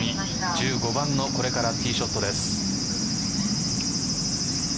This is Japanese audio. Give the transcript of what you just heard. １５番のこれからティーショットです。